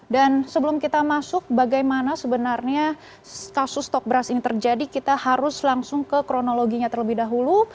dan sebelum kita masuk bagaimana sebenarnya kasus stok beras ini terjadi kita harus langsung ke kronologinya terlebih dahulu